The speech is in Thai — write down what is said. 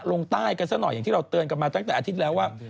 ลงใต้กันซะหน่อยอย่างที่เราเตือนกันมาตั้งแต่อาทิตย์แล้วว่า